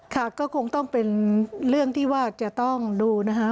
ค่ะก็คงต้องเป็นเรื่องที่ว่าจะต้องดูนะคะ